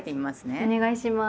お願いします。